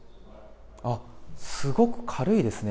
すごく軽いですね。